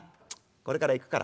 これから行くから』。